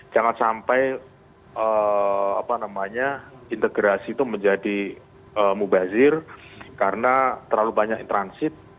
jangan sampai integrasi itu menjadi mubazir karena terlalu banyak transit